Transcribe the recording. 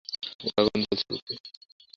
ওর আগুন জ্বলছে বুকে।